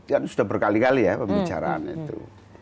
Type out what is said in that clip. kan sudah berkali kali ya pembicaraan itu